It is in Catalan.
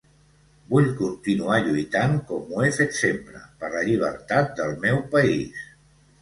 Vull continuar lluitant, com ho he fet sempre, per la llibertat del meu país.